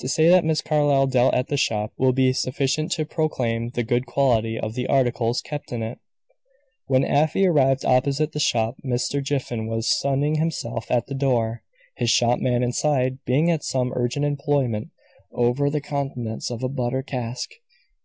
To say that Miss Carlyle dealt at the shop will be sufficient to proclaim the good quality of the articles kept in it. When Afy arrived opposite the shop, Mr. Jiffin was sunning himself at the door; his shopman inside being at some urgent employment over the contents of a butter cask.